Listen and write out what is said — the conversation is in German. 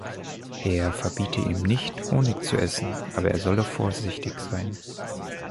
Er verbiete ihm nicht, Honig zu essen, aber er solle vorsichtig sein.